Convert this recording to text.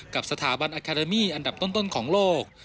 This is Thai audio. กับสถาบันอาคาเรมี่อันดับต้นของโลก